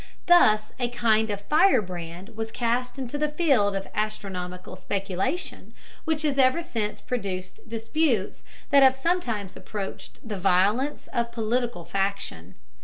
Thus a kind of firebrand was cast into the field of astronomical speculation, which has ever since produced disputes that have sometimes approached the violence of political faction.